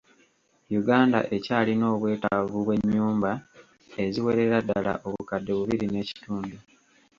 "Uganda" ekyalina obwetaavu bw’ennyumba eziwerera ddala obukadde bubiri n’ekitundu.